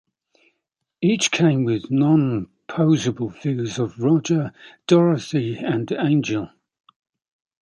Each came with non-poseable figures of Roger, Dorothy and Angel.